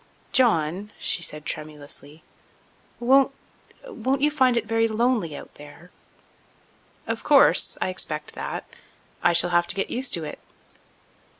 "John," she said tremulously, "won't—won't you find it very lonely out there?" "Of course—I expect that. I shall have to get used to it."